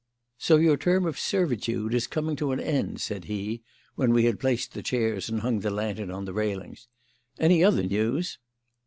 "So your term of servitude is coming to an end," said he when we had placed the chairs and hung the lantern on the railings. "Any other news?"